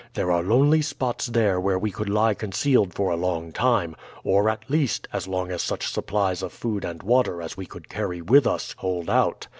There are lonely spots there where we could lie concealed for a long time, or, at least, as long as such supplies of food and water as we could carry with us hold out.